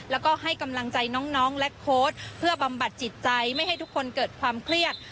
แล้วก็ให้กำลังใจน้องและโค้ดเพื่อบำบัดจิตใจไม่ให้ทุกคนเกิดความเครียด